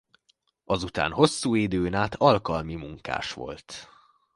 Azután hosszú időn át alkalmi munkás volt.